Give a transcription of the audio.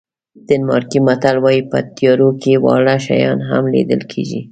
ډنمارکي متل وایي په تیارو کې واړه شیان هم لیدل کېږي.